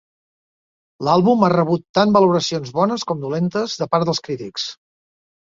L'àlbum ha rebut tant valoracions bones com dolentes de part dels crítics.